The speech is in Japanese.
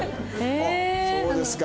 そうですか。